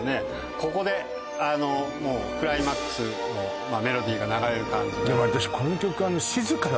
ここでもうクライマックスのメロディーが流れる感じがああ